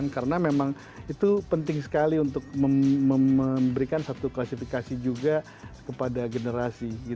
karena memang itu penting sekali untuk memberikan satu klasifikasi juga kepada generasi